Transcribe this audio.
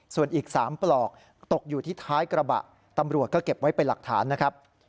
ส่วนอีก๓ปลอกตกอยู่ที่ท้ายกระบะตำรวจก็เก็บไว้เป็นหลักฐานนะครับ